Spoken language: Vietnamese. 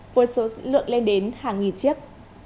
với số lượng lên đến hàng nghìn chiếc